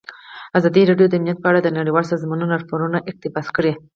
ازادي راډیو د امنیت په اړه د نړیوالو سازمانونو راپورونه اقتباس کړي.